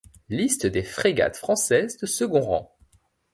Liste des frégates françaises de second rang.